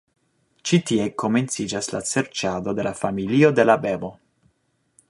Ĉi tie komenciĝas la serĉado de la familio de la bebo.